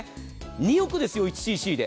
２億ですよ、１ｃｃで。